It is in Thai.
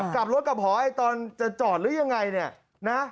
กลับรถกลับหอไอ้ตอนจะจอดหรือยังไงเนี่ยนะ